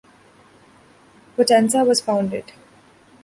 Potenza was founded.